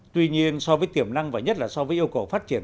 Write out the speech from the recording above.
tuy nhiên so với tiềm năng và nhất là so với yêu cầu phát triển